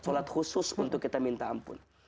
sholat khusus untuk kita minta ampun